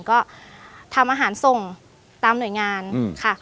ก็ทำอาหารส่งตามหน่วยงานค่ะ